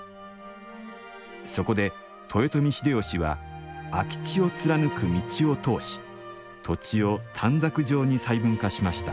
そこで豊臣秀吉は空き地を貫く道を通し土地を短冊状に細分化しました。